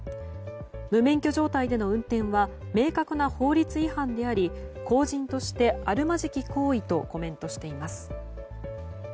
無免許状態での運転は明確な法律違反であり公人としてあるまじき行為とコメントしています。